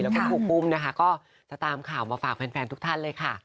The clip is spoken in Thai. แล้วก็ครูปุ้มนะคะก็จะตามข่าวมาฝากแฟนทุกท่านเลยค่ะ